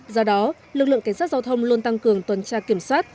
do đó lực lượng cảnh sát giao thông luôn tăng cường tuần tra kiểm soát